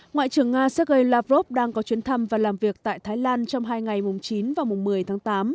ngoại trưởng nga sergei lavrov đang có chuyến thăm và làm việc tại thái lan trong hai ngày mùng chín và mùng một mươi tháng tám